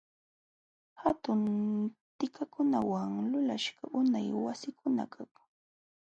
Hatun tikakunawan lulaśhqam unay wasikunakaq.